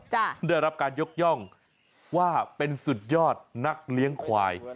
ได้รับการยกย่องว่าเป็นสุดยอดนักเลี้ยงควาย